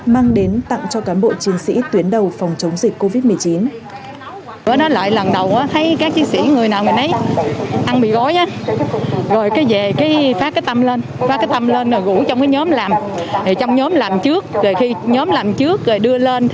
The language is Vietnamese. mang đến tặng cho cán bộ chiến sĩ tuyến đầu phòng chống dịch covid một mươi chín